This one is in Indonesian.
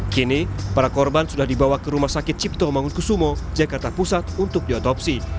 kini para korban sudah dibawa ke rumah sakit cipto mangunkusumo jakarta pusat untuk diotopsi